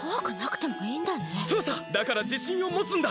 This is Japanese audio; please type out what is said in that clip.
だからじしんをもつんだ！